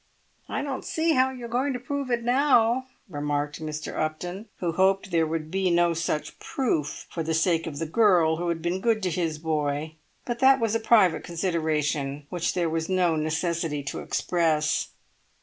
"I don't see how you're going to prove it now," remarked Mr. Upton, who hoped there would be no such proof, for the sake of the girl who had been good to his boy; but that was a private consideration which there was no necessity to express.